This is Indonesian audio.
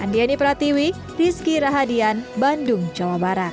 andiani pratiwi rizky rahadian bandung jawa barat